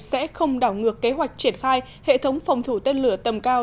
sẽ không đảo ngược kế hoạch triển khai hệ thống phòng thủ tên lửa tầm cao